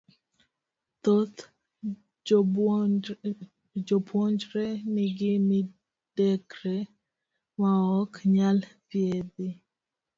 Thoth jopuonjre nigi midekre maok nyal thiedhi,